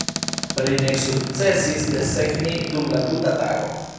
Ri ne sukcesis desegni dum la tuta tago.